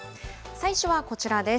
最初はこちらです。